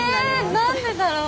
何でだろう。